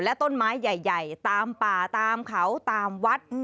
และต้นไม้ใหญ่ตามป่าตามเขาตามวัด